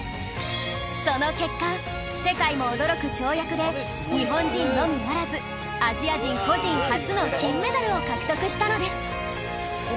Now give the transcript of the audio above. その結果世界も驚く跳躍で日本人のみならずアジア人個人初の金メダルを獲得したのです